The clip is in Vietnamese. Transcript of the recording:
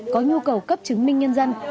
có nhu cầu cấp chứng minh nhân dân